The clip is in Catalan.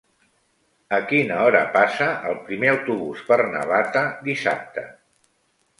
A quina hora passa el primer autobús per Navata dissabte?